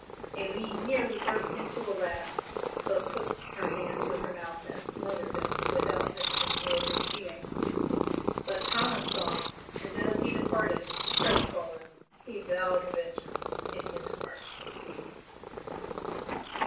Aline nearly burst into a laugh, but put her hand to her mouth and smothered it without Mistress Mowbray seeing; but Thomas saw and as he departed, crest fallen, he vowed vengeance in his heart.